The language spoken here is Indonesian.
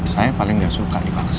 saya paling gak suka dipaksa